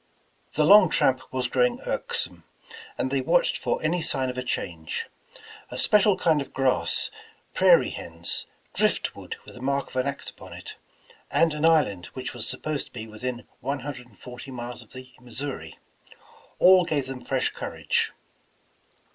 The long tramp was growing irksome, and they watched for any sign of a change. A special kind of grass, prairie hens, driftwood with the mark of an axe upon it, and an island which was supposed to be within one hundred and forty miles of the Missouri, all gave them fresh courage.